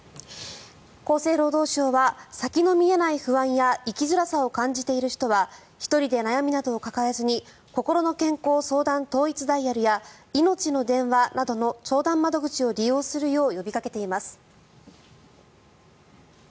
厚生労働省は先の見えない不安や生きづらさを感じている人は１人で悩みなどを抱えずにこころの健康相談統一ダイヤルやいのちの電話などの相談窓口を利用するよう呼びかけています。